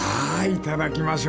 いただきます。